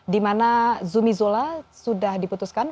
di mana zumizola sudah diputuskan